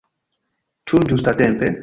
Ĉu ĝustatempe?